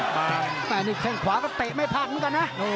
แต่นี่แข้งขวาก็เตะไม่พลาดเหมือนกันนะ